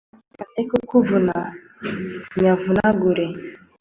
Reka nekukuvuna nyavunagure